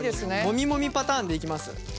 モミモミパターンでいきます。